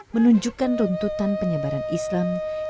menunjukkan rontutan penybearan islam yang menyasar